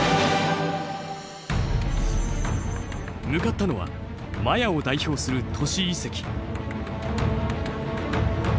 向かったのはマヤを代表する都市遺跡。